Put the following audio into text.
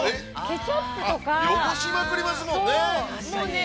◆汚しまくりますもんね。